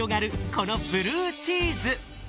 このブルーチーズ。